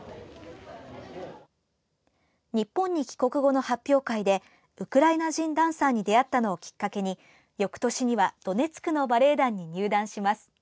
日本に帰国後の発表会でウクライナ人ダンサーに出会ったのをきっかけによくとしにはドネツクのバレエ団に入団します。